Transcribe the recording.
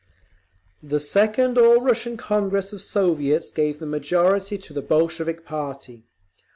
The second All Russian Congress of Soviets gave the majority to the Bolshevik party.